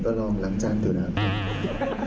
ก็ลองล้างจานดูนะครับ